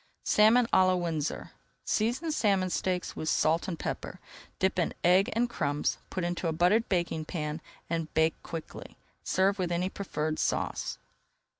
SALMON À LA WINDSOR Season salmon steaks with salt and pepper, [Page 273] dip in egg and crumbs, put into a buttered baking pan, and bake quickly. Serve with any preferred sauce.